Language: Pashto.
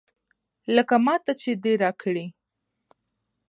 لکه ماته چې دې راکړي.